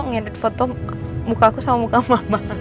ngedit foto mukaku sama muka mama